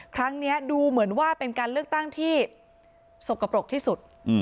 ครั้งนี้ดูเหมือนว่าเป็นการเลือกตั้งที่สกปรกที่สุด